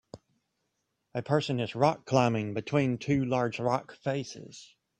A person is rock climbing between two large rock faces.